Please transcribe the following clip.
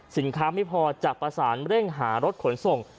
ไม่พอจะประสานเร่งหารถขนส่ง